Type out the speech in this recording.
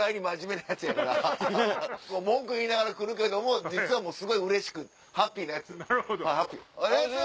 文句言いながら来るけども実はすごいハッピーなヤツ。